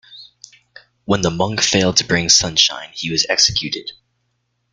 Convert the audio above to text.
When the monk failed to bring sunshine, he was executed.